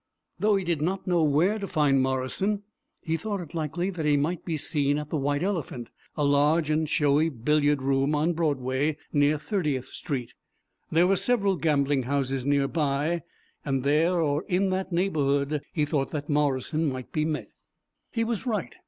Though he did not know where to find Morrison, he thought it likely that he might be seen at the White Elephant, a large and showy billiard room on Broadway, near Thirtieth Street. There were several gambling houses near by, and there or in that neighborhood he thought that Morrison might be met. He was right.